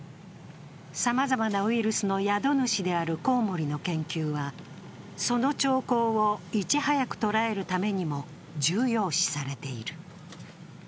さまざまなウイルスの宿主であるコウモリの研究は、その兆候をいち早く捉えるためにも重要視さでいる。